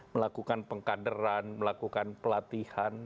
melakukan pengkaderan melakukan pelatihan